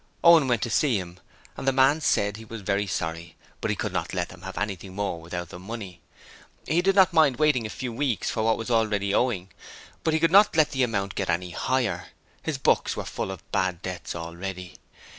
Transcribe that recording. Owen went to see him, and the man said he was very sorry, but he could not let them have anything more without the money; he did not mind waiting a few weeks for what was already owing, but he could not let the amount get any higher; his books were full of bad debts already.